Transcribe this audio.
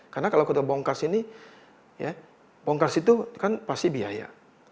karena kalau kita bongkar sini bongkar situ kan pasti biaya